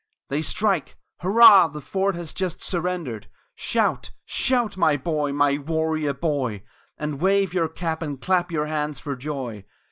They strike! Hurrah! the fort has just surrendered! Shout! Shout! my boy, my warrior boy! And wave your cap and clap your hands for joy!